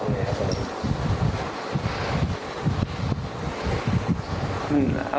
เรื่องสันตัว